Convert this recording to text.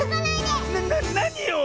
ななによ